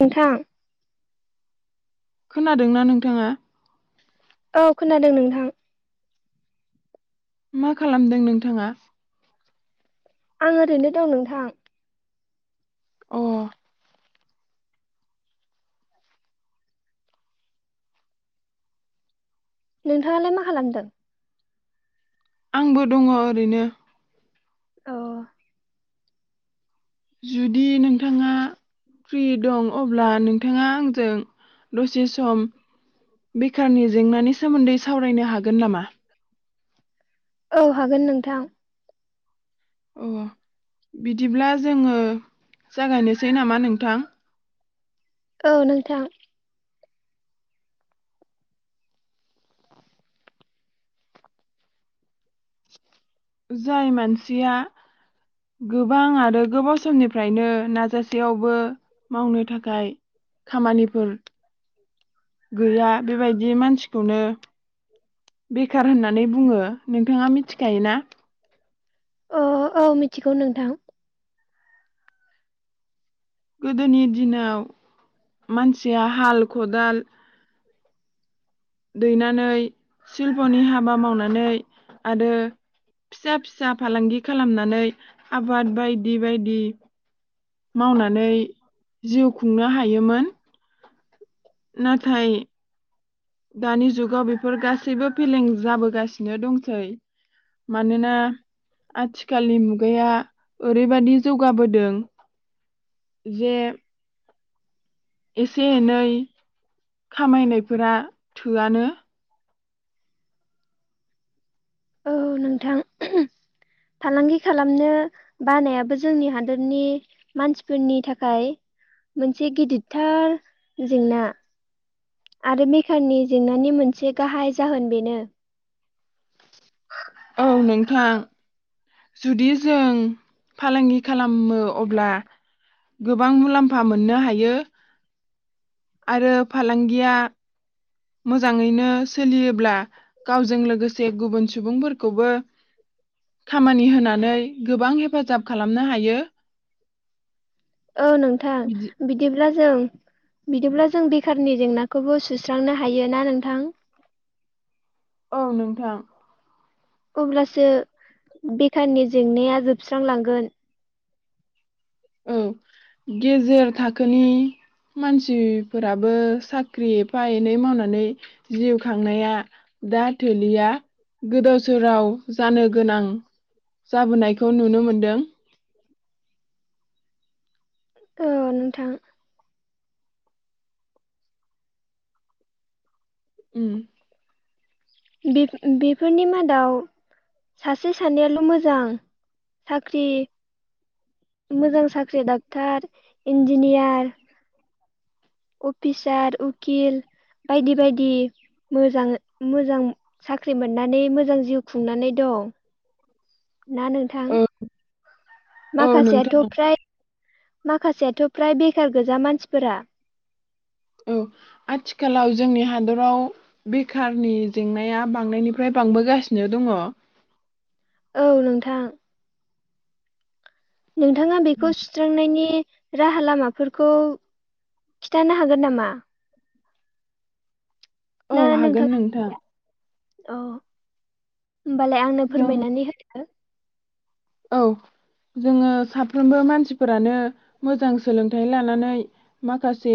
नोंथां खोनादोंना नोंथाङा? औ खोनादों नोंथां। मा खालामदों नोंथाङा? आं ओरैनो दं नोंथां। अ। नोंथाङालाय मा खालामदों? आंबो दङ ओरैनो। अ। जुद फ्रि दं अब्ला नोंथाङा आंजों दसे सम बेखारनि जेंनानि सोमोन्दै सावरायनो हागोन नामा? औ हागोन नोंथां। अ बिदिब्ला जोङो जागायनोसै नामा नोंथां। औ नोंथां। जाय मानसिया गोबां आरो गोबाव समनिफ्रायनो नाजासेयावबो मावनो थाखाय खामानिफोर गैया बेबायदि मानसिखौनो बेखार होननानै बुङो नोंथाङा मिथिखायोना ओ औ मिथिगौ नोंथां। गोदोनि दिनाव मानसिया हाल खदाल दैनानै सिलपनि हाबा मावनानै आरो फिसा फिसा फालांगि खालामनानै आबाद बायदि बायदि मावना नै जिउ खुंनो हायोमोन। नाथाय दानि जुगाव बेफोर गासैबो फेलें जाबोगासिनो दंसै मानोना आथिखालनि मुगाया ओरैबादि जौगाबोदों जे‌ एसे एनै खामायनायफोरा थोआनो। औ नोंथां फालांगि खालामनो बानायाबो जोंनि हादोरनि मानसिफोरनि थाखाय मोनसे गिदिरथार जेंना आरो मेकारनि जेंनानि मोनसे गाहाय जाहोन बेनो। औ नोंथां जुदि जों फालांगि खालामो अब्ला गोबां मुलाम्फा मोननो हायो आरो फालांगिया। मोजाङैनो सोलियोब्ला गावजों लोगोसे गुबुन सुबुंफोरखौबो खामानि होनानै गोबां हेफाजाब खालामनो हायो। औ नोंथां बिदि ब्लाजों बिदिब्ला जों बेखारनि जेंनाखौबो सुस्रांनो हायो ना नोंथां। औ नोंथां। अब्लासो बेखारनि जेंनाया जोबस्रांलांगोन। औ गेजेर थाखोनि मानसिफोराबो साख्रि एफा एनै मावनानै जिउ खांनाया दा थोलिया गोदाव सोराव जानो गोनां जाबोनायखौ नुनो मोनदों। औ नोंथां। उम बे बेफोरनि मादाव सासे सानैयाल' मोजां साख्रि मोजां साख्रि डक्टर इन्जिनियार। अफिसार उकिल बायदि बायदि मोजां मोजां साख्रि मोननानै मोजां जिउ खुंनानै दं। ना नोंथां औ औ माखासेयाथ' नोंथां फ्राय माखासेयाथ' फ्राय बेखार गोजा मानसिफोरा। औ आथिखालाव जोंनि हादराव बेखारनि जेंनाया बांनायनिफ्राय बांबोगासिनो दङ। औ नोंथां। नोंथाङा बेखौ सुस्रांनायनि राहा लामाफोरखौ खिथानो हागोन नामा? औ ना हागोन नोंथां औ। ओमबालाय आंनो जों फोरमायनानै होदो। औ जोङो साफ्रोमबो मानसिफोरानो मोजां सोलोंथाइ लानानै माखासे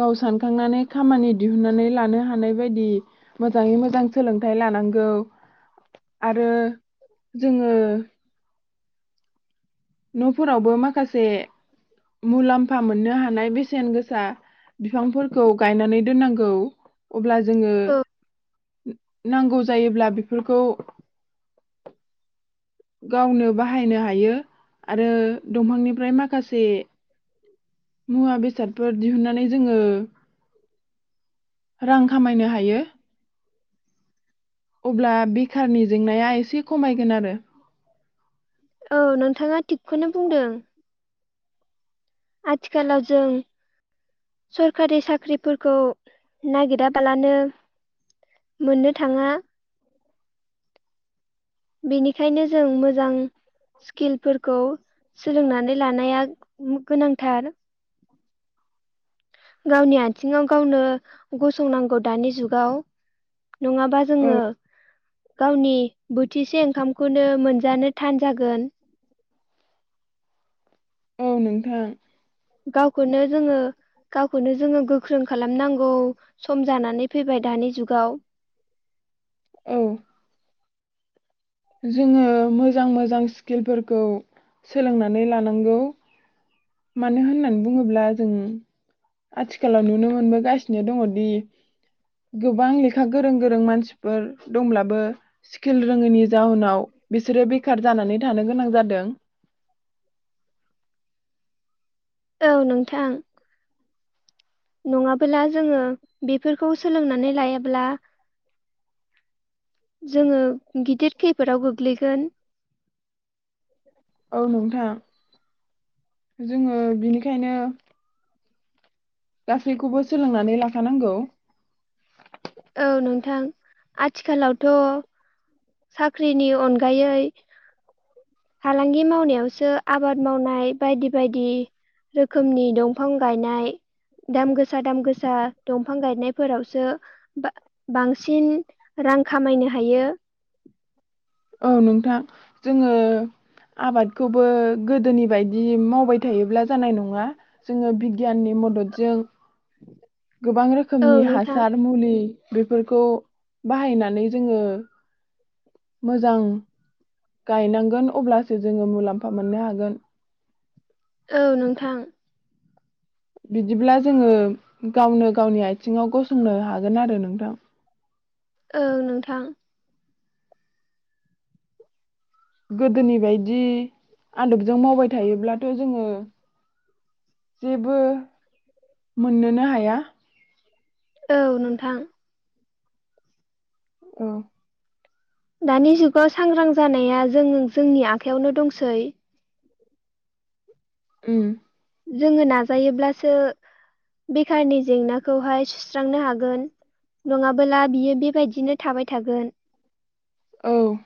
गाव सानखांनानै खामानि दिहुनन्नानै लानो हानाय बायदि मोजाङै मोजां सोलोंथाइ लानांगौ आरो जोङो न' फोरावबो माखासे जे मुलाम्फा मोननो हानाय बेसेन गोसा बिफांफोरखौ गायनानै दोननांगौ अब्ला जोङो औ नांगौ जायोब्ला बेफोरखौ। गावनो बाहायनो हायो आरो दंफांनिफ्राय माखासे मुवा बेसादफोर दिहुनन्नानै जोङो रां खामायनो हायो अब्ला बे खारनि जेंनाया एसे खमायगोन आरो । औ नोंथाङा थिगखौनो बुंदों । आथिखालाव जों सरखारि साख्रिफोरखौ नागिराबालानो मोननो थाङा । बेनिखायनो जों मोजां स्किलफोरखौ सोलोंनानै लानाया गोनांथार । गावनि आथिङाव गावनो गसंनांगौ दानि जुगाव नङाबा औ जोङो गावनि बोथिसे ओंखामखौनो मोनजानो थान जागोन । औ नोंथां । गावखौनो जोङो गावखौनो जोङो गोख्रों खालामनांगौ सम जानानै फैबाय दानि जुगाव ।। औ जोङो मोजां मोजां स्किलफोरखौ सोलोंनानै लानांगौ । मानो होननानै बुङोब्ला जों आथिखालाव नुनो मोनबोगासिनो दङदि गोबां लेखा गोरों गोरों मानसिफोर दंब्लाबो स्किल रोङैनि जाउनाव बिसोरो बेखार जानानै थानो गोनां जादों । औ नोंथां । नङाबोला जोङो बेफोरखौ सोलोंनानै लायाब्ला जोङो गिदिर खैफोदाव गोग्लैगोन । औ नोंथां जोङो बिनिखायनो गासैखौबो सोलोंनानै लाखानांगौ । औ नोंथां आथिखालावथ' साख्रिनि अनगायै फालांगि मावनायावसो आबाद मावनाय बायदि बायदि रोखोमनि दंफां गायनाय दाम गोसा दाम गोसा दंफां गायनायफोरावसो बा-बांसिन रां खामायनो हायो । औ नोंथां जोङो आबादखौबो गोदोनि बायदि मावबाय थायोब्ला जानाय नङा जोङो बिगियाननि मददजों गोबां औ रोखोमनि नोंथां हासार मुलि बेफोरखौ बाहायनानै जोङो मोजां गायनांगोन अब्लासो जोङो मुलाम्फा मोननो हागोन । औ नोंथां बिदिब्ला जोङो गावनो गावनि आथिङाव गसंनो हागोन आरो नोंथां । ओ नोंथां गोदोनि बदि आदबजों मावबाय थायोब्लाथ' जोङो जेबो मोननोनो हाया । औ नोंथां औ दानि जुगाव सांग्रां जानाया जों जोंनि आखायावनो दंसै । उम जोङो नाजायोब्लासो बेखारनि जेंनाखौहाय सुस्रांनो हागोन नङाबोला बियो बेबायदिनो थाबाय थागोन । औ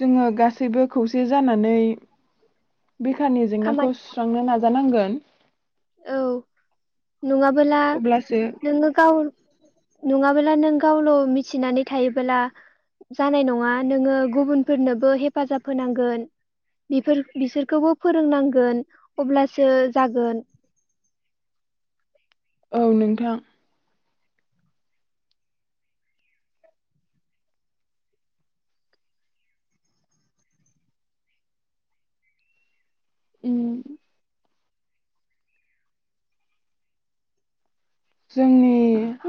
जोङो गासैबो खौसे जानानै बेखारनि जेंनाखौ खामानि सुस्रांनो नाजानांगोन । औ नङाबोला अब्लासो नोङो गाव नङाबोला नों गावल' मिथिनानै थायोबोला जानाय नङा नोङो गुबुनफोरनोबो हेफाजाब होनांगोन बेफोर-बिसोरखौबो फोरोंनांगोन अब्लासो जागोन औ नोंथां उम जोंनि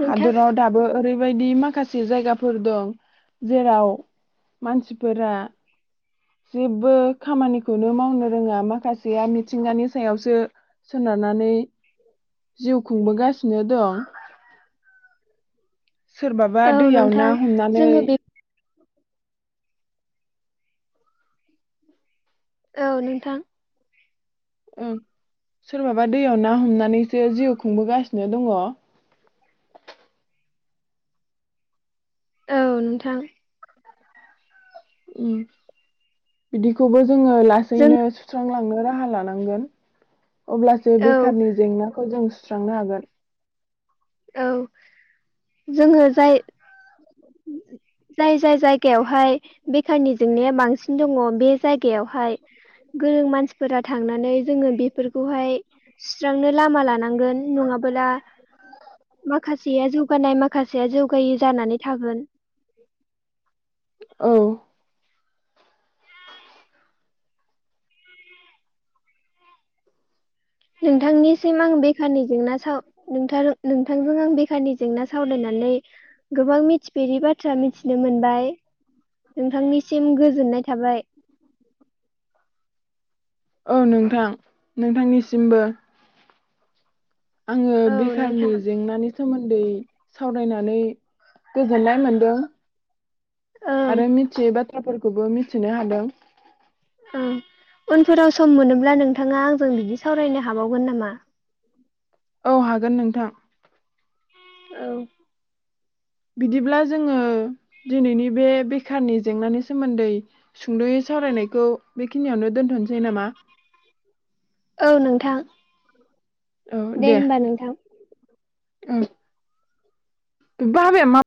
नोंथां हादराव दाबो ओरै बेबायदि माखासे जायगाफोर दं जेराव मानसिफोरा जेबो खामानिखौनो मावनो रोङा माखासेया मिथिंगानि सायावसो सोनारनानै जिउ खुंबो गासि नो दं। सोरबाबा औ दैयाव ना नोंथां हमनानै जोङो बे औ नोंथां। ओं सोरबाबा दैयाव ना हमनानैसो जिउ खुंबोगासिनो दङ। औ नोंथां। उम बिदिखौबो जोङो जों लासैनो सुस्रां लांनो राहा लानांगोन। अब्लासो औ बेखारनि जेंनाखौ जों सु स्रांनो हागोन। औ जोङो जाय जाय जाय-जायगायावहाय बेखारनि जेंनाया बां सिन दङ बे जाय गायावहाय गोरों मानसिफोरा थांनानै जोङो बेफोरखौहाय सुस्रांनो लामा लानांगोन नङाबोला माखासेया जौगानाय माखासेया जौगायै जानानै‌ थागोन औ नोंथांनिसिम आं बेखारनि जेंना साव नोंथांजों आं बेखारनि जेंना सावरायनानै गोबां मिथिफेरि बाथ्रा मिथिनो मोनबाय नोंथांनिसिम गोजोननाय थाबाय। औ नोंथां नोंथांनिसिमबो। आङो औ बेखारनि नोंथां जेंनानि सोमोन दै सावरायनानै गोजोननाय मोनदों ओं आरो मिथियै बाथ थ्राफोरखौबो मिथिनो हादों। उनफोराव सम मोनोब्ला नोंथाङा आंजों बिदि सावरायनो हाबावगोन नामा? औ हागोन नोंथां। औ बिदिब्ला जोङो दिनैनि बे बेखारनि जेंनानि सोमोन्दै सुंदयै सावरायनायखौ बे खिनियावनो दोनथनोसै नामा? औ नोंथां। दे होमबा नोंथां। उम बाबाया मा‌